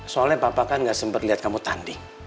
soalnya bapak kan gak sempat lihat kamu tanding